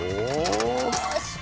よし。